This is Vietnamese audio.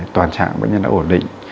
toàn trạng bệnh nhân đã ổn định